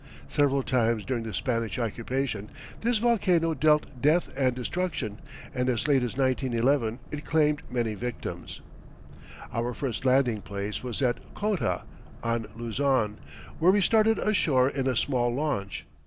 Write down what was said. Several times during the Spanish occupation this volcano dealt death and destruction, and as late as 1911 it claimed many victims. Our first landing place was at Kotta, on Luzon, where we started ashore in a small launch.